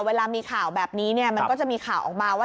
เวลามีข่าวแบบนี้เนี่ยมันก็จะมีข่าวออกมาว่า